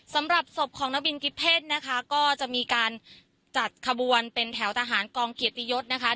สำหรับศพของนักบินกิฟเพศนะคะก็จะมีการจัดขบวนเป็นแถวทหารกองเกียรติยศนะคะ